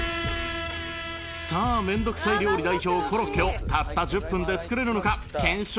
さあ面倒くさい料理代表コロッケをたった１０分で作れるのか検証スタートです